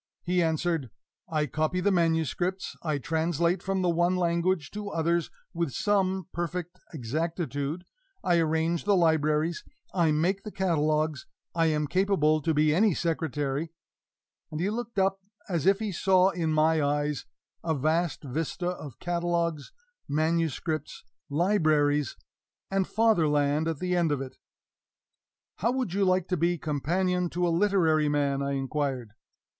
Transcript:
He answered: "I copy the manuscripts, I translate from the one language to others with some perfect exactitude, I arrange the libraries, I make the catalogues, I am capable to be any secretary." And he looked up as if he saw in my eyes a vast vista of catalogues, manuscripts, libraries, and Fatherland at the end of it. "How would you like to be companion to a literary man?" I inquired.